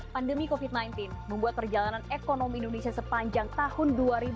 pandemi covid sembilan belas membuat perjalanan ekonomi indonesia sepanjang tahun dua ribu dua puluh